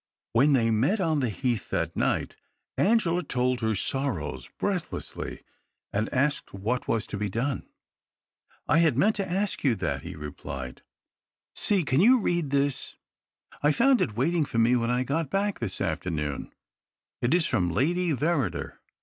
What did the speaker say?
When they met on the heath that night, Angela told her sorrows breathlessly, and asked what was to be done. " I had meant to ask you that," he replied. 270 THE OCTAVE OP CLAUDIUS. " See — can you read this ? I found it waiting for me when I got back this afternoon — it is from Lady Verrider."